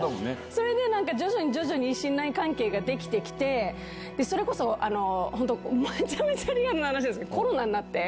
それでなんか徐々に徐々に、信頼関係が出来てきて、それこそ本当、めちゃめちゃリアルな話ですけど、コロナになって。